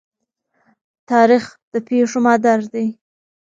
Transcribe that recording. تاریخ د پېښو مادر دی.